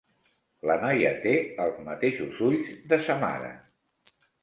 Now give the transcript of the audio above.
La noia té els mateixos ulls de sa mare.